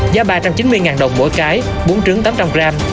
giá ba trăm chín mươi đồng mỗi cái bốn trứng tám trăm linh g